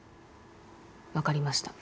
分かりました。